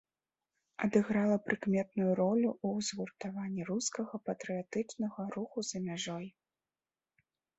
Адыграла прыкметную ролю ў згуртаванні рускага патрыятычнага руху за мяжой.